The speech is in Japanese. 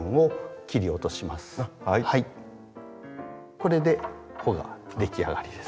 これで穂ができ上がりです。